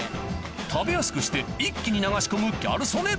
食べやすくして一気に流し込むギャル曽根